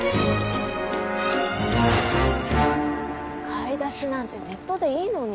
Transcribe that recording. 買い出しなんてネットでいいのに。